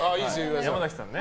山崎さん。